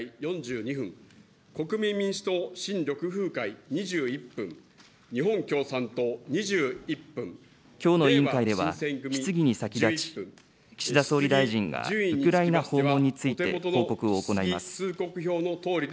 国民民主党・新緑風会２１分、きょうの委員会では、質疑に先立ち、岸田総理大臣がウクライナ訪問について報告を行います。